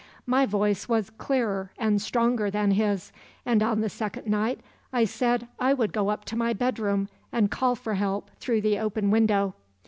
My voice was clearer and stronger than his, and on the second night I said I would go up to my bedroom and call for help through the open window.